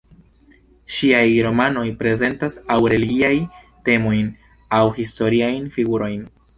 Ŝiaj romanoj prezentas aŭ religiajn temojn, aŭ historiajn figurojn.